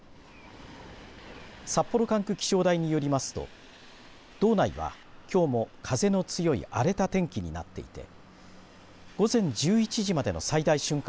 札幌管区気象台によりますと道内はきょうも風の強い荒れた天気になっていて午前１１時までの最大瞬間